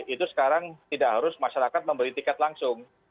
itu sekarang tidak harus masyarakat membeli tiket langsung